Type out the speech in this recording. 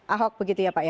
ahok begitu ya pak ya